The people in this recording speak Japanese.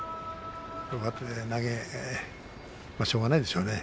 上手投げしょうがないでしょうね。